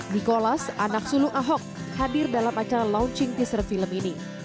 nikolas anak sulung ahok hadir dalam acara launching teaser film ini